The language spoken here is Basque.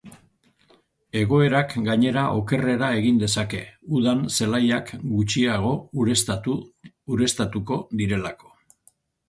Egoerak, gainera, okerrera egin dezake, udan zelaiak gutxiago ureztatuko direlako.